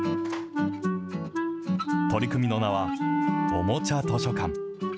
取り組みの名は、おもちゃ図書館。